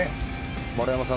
丸山さん